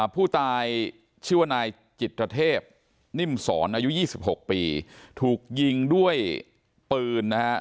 ผู้ตายชื่อว่านายจิตรเทพนิ่มสอนอายุ๒๖ปีถูกยิงด้วยปืนนะฮะ